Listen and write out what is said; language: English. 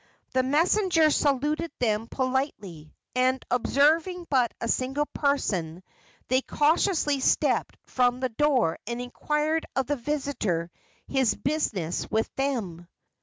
The messenger saluted them politely, and, observing but a single person, they cautiously stepped from the door and inquired of the visitor his business with them.